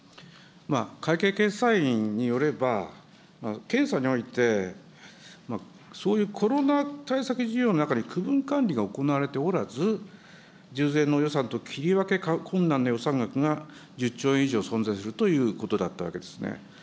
会計検査院によれば、検査においてそういうコロナ対策事業の中に区分管理が行われておらず、従前の予算と切り分け困難な予算額が１０兆円以上存在するということだったわけですね。